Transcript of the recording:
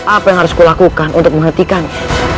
apa yang harus kulakukan untuk menghentikannya